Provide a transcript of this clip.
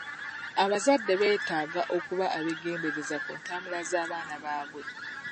Abazadde beetaaga okuba abeegendereza ku ntambula z'abaana baabwe.